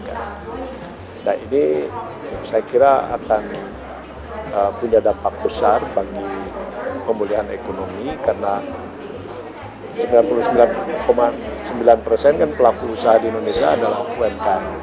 jadi saya kira akan punya dampak besar bagi pemulihan ekonomi karena sembilan puluh sembilan sembilan kan pelaku usaha di indonesia adalah umkm